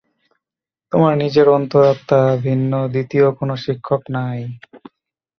তোমার নিজের অন্তরাত্মা ভিন্ন দ্বিতীয় কোন শিক্ষক নাই।